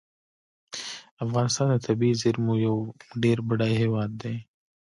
افغانستان د طبیعي زیرمو یو ډیر بډایه هیواد دی.